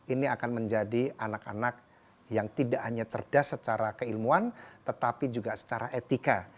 ini akan menjadi anak anak yang tidak hanya cerdas secara keilmuan tetapi juga secara etika